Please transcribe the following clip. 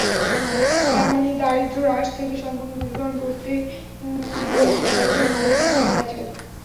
তেমনি দারিদ্র্য হ্রাস থেকে সম্পূর্ণ দূরীকরণ করতে চাইলেও বিপুল ব্যয় চাই।